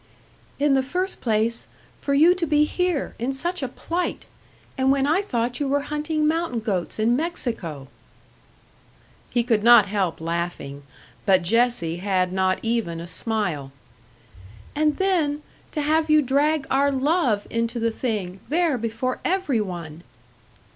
"In the first place, for you to be here, in such a plight! And when I thought you were hunting mountain goats in Mexico!" He could not help laughing; but Jessie had not even a smile. "And then to have you drag our love into the thing, there before every one!"